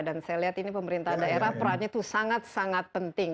dan saya lihat ini pemerintah daerah perannya itu sangat sangat penting